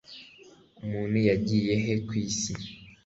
umuntu yagiye he kwisi